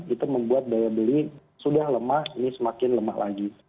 itu membuat daya beli sudah lemah ini semakin lemah lagi